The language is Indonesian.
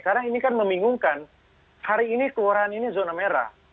karena ini kan membingungkan hari ini keluaran ini zona merah